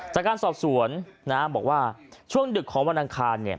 จากการสอบสวนบอกว่าช่วงดึกของวันอังคาร